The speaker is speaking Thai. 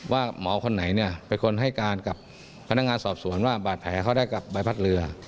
ว่าหมอคนไหนเนี่ยเป็นคนให้การกับพนักงานสอบสวนว่าบาดแผลเขาได้กับใบพัดเรือ